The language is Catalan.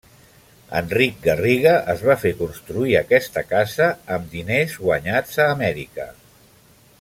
Enric Garriga es va fer construir aquesta casa amb diners guanyats a Amèrica.